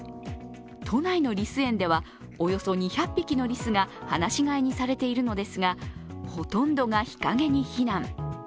都内のリス園ではおよそ２００匹のリスが放し飼いにされているのですが、ほとんどが日陰に避難。